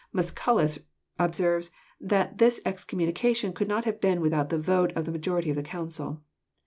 Musculus observes that this excommunication could not have been without the vote of the majority of the council.